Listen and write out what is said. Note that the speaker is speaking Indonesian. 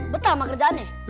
betah sama kerjaannya